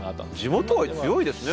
地元愛強いですね